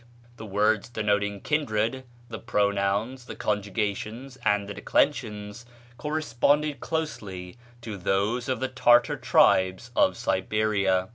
The words denoting kindred, the pronouns, the conjugations, and the declensions, corresponded closely to those of the Tartar tribes of Siberia.